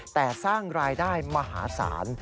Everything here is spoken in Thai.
แต่สร้างรายได้มหาศาล